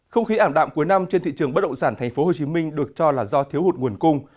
không khí ảm đạm cuối năm trên thị trường bất động sản tp hcm được cho là do thiếu hụt nguồn cung